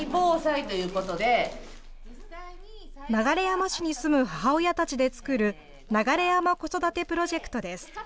流山市に住む母親たちで作る流山子育てプロジェクトです。